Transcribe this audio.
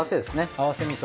合わせみそ。